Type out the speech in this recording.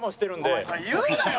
お前それ言うなよ！